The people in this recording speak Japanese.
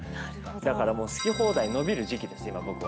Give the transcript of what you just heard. だから、好き放題伸びる時期です、今、僕は。